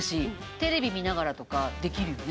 テレビ見ながらとかできるよね。